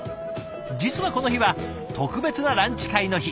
実はこの日は特別なランチ会の日。